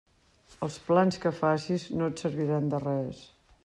Els plans que facis no et serviran de res.